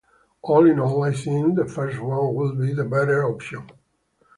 All in all I think the first one would be the better option.